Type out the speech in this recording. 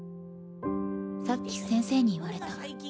さっき先生に言われた。